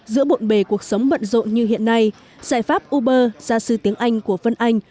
giữa bộn bề cuộc sống bận rộn như hiện nay giải pháp uber gia sư tiếng anh của vân anh